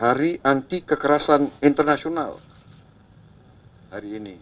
hari anti kekerasan internasional hari ini